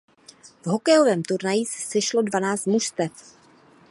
V hokejovém turnaji se sešlo dvanáct mužstev.